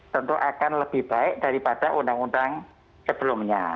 tentu akan lebih baik daripada undang undang sebelumnya